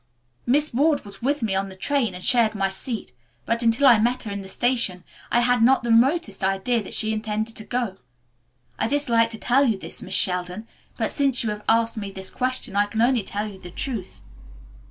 "Miss Ward was with me on the train and shared my seat, but until I met her in the station I had not the remotest idea that she intended to go. I dislike to tell you this, Miss Sheldon, but since you have asked me this question I can only tell you the truth."